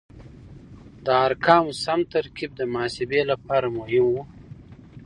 د ارقامو سم ترکیب د محاسبې لپاره مهم و.